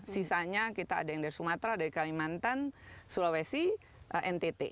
sisanya kita ada yang dari sumatera dari kalimantan sulawesi ntt